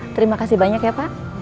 terima kasih banyak ya pak